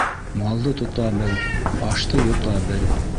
Малды тота бел, ашты йота бел!